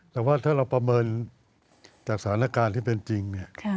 แต่ว่าถ้าเราประเมินจากสถานการณ์ที่เป็นจริงเนี่ย